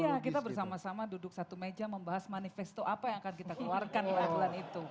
iya kita bersama sama duduk satu meja membahas manifesto apa yang akan kita keluarkan pada bulan itu